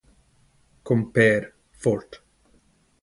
Comper, Fort